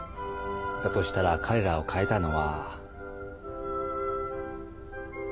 だとしたら彼らを変えたのは。